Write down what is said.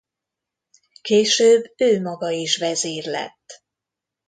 Később ő maga is vezír lett.